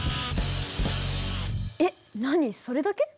えっ何それだけ？